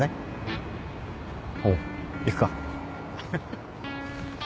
おう行くか